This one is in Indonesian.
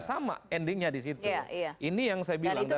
sama endingnya di situ ini yang saya bilang